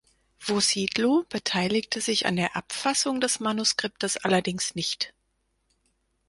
Wossidlo beteiligte sich an der Abfassung des Manuskriptes allerdings nicht.